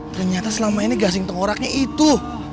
ternyata selama ini gasing tengoraknya itu